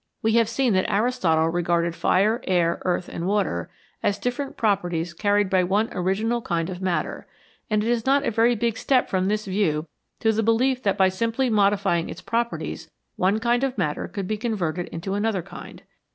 We have seen that Aristotle regarded fire, air, earth, and water as different properties carried by one original kind of matter, and it is not a very big step from this view to the belief that by simply modifying its properties one kind of matter could be converted into another kind.